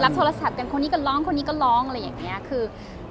รับโทรศัพท์กันคนดนตร์ก็ร้องและคนอื่นก็ร้อง